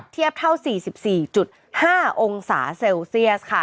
เทียบเท่า๔๔๕องศาเซลเซียสค่ะ